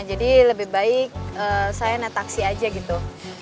jadi lebih baik saya naik taksi aja gitu